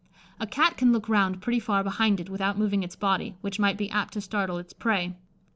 A cat can look round pretty far behind it without moving its body, which might be apt to startle its prey.